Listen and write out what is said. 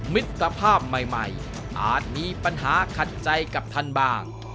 มิตรภาพใหม่อาจมีปัญหาขัดใจกับท่านบ้าง